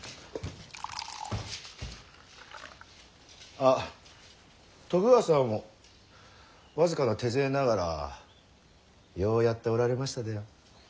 あっ徳川様も僅かな手勢ながらようやっておられましたでよ。